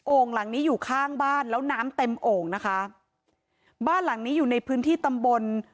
หลังนี้อยู่ข้างบ้านแล้วน้ำเต็มโอ่งนะคะบ้านหลังนี้อยู่ในพื้นที่ตำบล